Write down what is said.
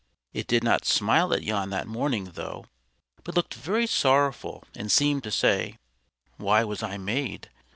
It did not smile at Jan that morning though, but looked very sorrowful and seemed to say "Why was I made?